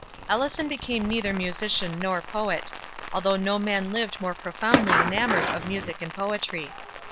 Ellison became neither musician nor poet; although no man lived more profoundly enamored of music and poetry.